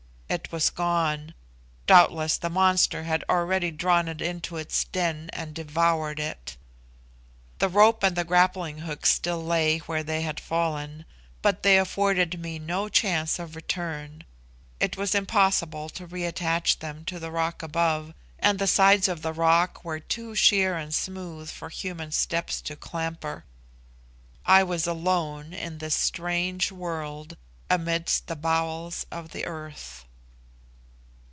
It was gone; doubtless the monster had already drawn it into its den and devoured it. The rope and the grappling hooks still lay where they had fallen, but they afforded me no chance of return; it was impossible to re attach them to the rock above, and the sides of the rock were too sheer and smooth for human steps to clamber. I was alone in this strange world, amidst the bowels of the earth.